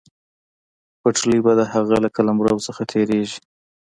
پټلۍ به د هغه له قلمرو څخه تېرېږي.